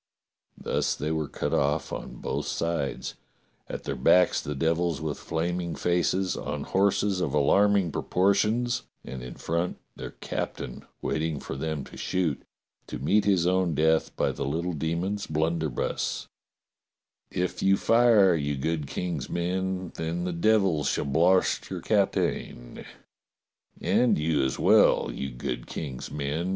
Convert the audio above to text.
Thus they were cut off on both sides: at their back the devils with flaming faces, on horses of alarming proportions, and in front, their captain, wait ing for them to shoot, to meet his own death by the little demon's blunderbuss: "* If you fire, you good King's men, Then the devil shall blarst your captain.' *'And you as well, you good King's men!"